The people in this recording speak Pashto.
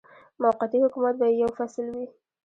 موقتي حکومت به یې یو فصل وي.